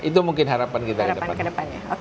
itu mungkin harapan kita ke depan